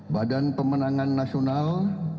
badan pemenangan nasional